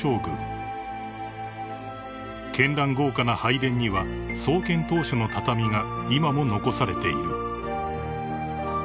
［絢爛豪華な拝殿には創建当初の畳が今も残されている］